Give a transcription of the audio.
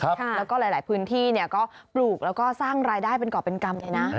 แล้วก็หลายพื้นที่เนี่ยก็ปลูกแล้วก็สร้างรายได้เป็นเกาะเป็นกรรมอย่างนี้นะ